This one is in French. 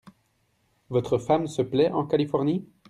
Votre femme se plait en Californie ?